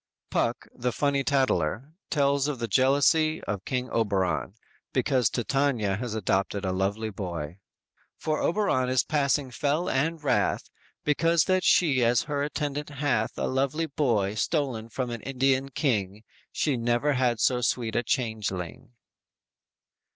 "_ Puck, the funny tattler, tells of the jealousy of King Oberon, because Titania has adopted a lovely boy: _"For Oberon is passing fell and wrath, Because that she as her attendant hath A lovely boy stolen from an Indian king, She never had so sweet a changeling!"